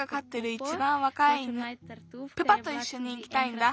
いちばんわかい犬プパといっしょに行きたいんだ。